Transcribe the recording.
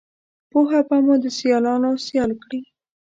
پوهه به مو دسیالانوسیال کړي